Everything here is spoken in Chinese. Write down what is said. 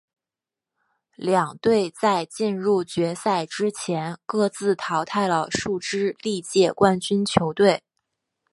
两队在进入决赛之前各自淘汰了数支历届冠军球队。